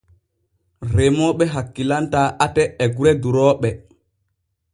Remooɓe hakkilantaa ate e gure durooɓe.